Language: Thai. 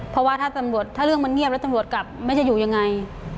เพราะว่าถ้าตำรวจถ้าเรื่องมันเงียบแล้วตำรวจกลับแม่จะอยู่ยังไง